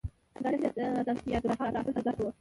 ګاندي د ساتیاګراها پر اصل ټینګار کاوه.